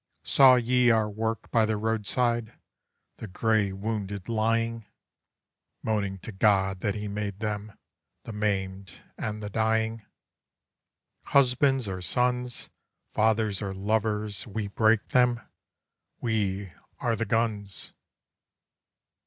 Saw ye our work by the roadside, the gray wounded lying, Moaning to God that he made them the maimed and the dying? Husbands or sons, Fathers or lovers, we break them! We are the guns!